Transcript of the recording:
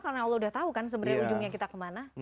karena allah sudah tahu kan sebenarnya ujungnya kita kemana